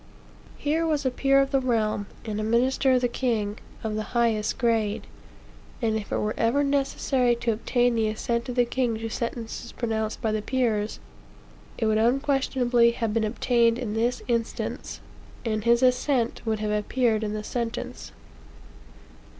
Here was a peer of the realm, and a minister of the king, of the highest grade; and if it were ever necessary to obtain the assent of the king to sentences pronounced by the peers, it would unquestionably have been obtained in this instance, and his assent would have appeared in the sentence.